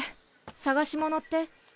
探し物って？